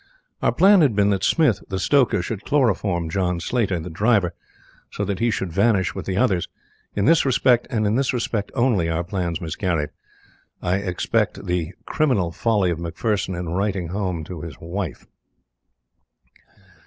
"Our plan had been that Smith, the stoker, should chloroform John Slater, the driver, so that he should vanish with the others. In this respect, and in this respect only, our plans miscarried I except the criminal folly of McPherson in writing home to his wife.